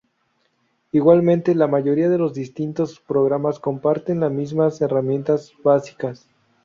Igualmente la mayoría de los distintos programas comparten las mismas herramientas básicas.